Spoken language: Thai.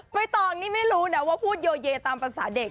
ไม่ต้องนี่ไม่รู้นะว่าพูดโยเยตามภาษาเด็ก